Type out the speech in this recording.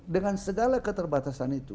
dengan segala keterbatasan itu